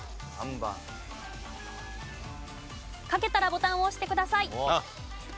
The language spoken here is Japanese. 書けたらボタンを押してください。